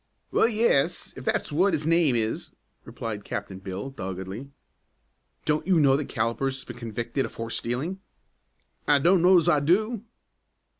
"Well, yes, if that's what 'is name is," replied Captain Bill, doggedly. "Don't you know that Callipers has been convicted of horse stealing?" "I don't know's I do."